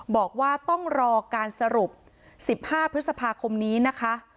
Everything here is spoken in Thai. บอกว่าต้องรอการสรุป๑๕พฤษภาคมนี้นะคะ